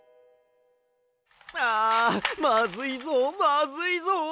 あまずいぞまずいぞ！